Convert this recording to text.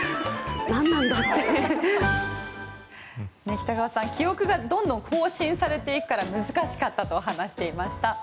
北川さん、記憶がどんどん更新されていくから難しかったと話していました。